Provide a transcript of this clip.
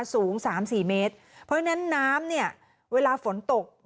สูงสามสี่เมตรเพราะฉะนั้นน้ำเนี่ยเวลาฝนตก